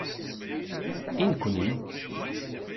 I nekni!